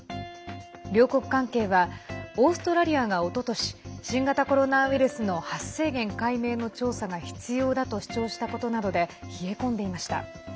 両国関係はオーストラリアがおととし新型コロナウイルスの発生源解明の調査が必要だと主張したことなどで冷え込んでいました。